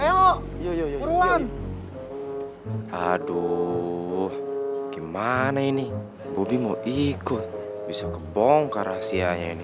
ayo uruan aduh gimana ini bobby mau ikut bisa kebongkar rahasianya ini